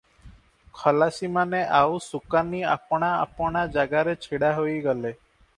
ଖଲାସିମାନେ ଆଉ ସୁକାନି ଆପଣା ଆପଣା ଜାଗାରେ ଛିଡ଼ା ହୋଇଗଲେ ।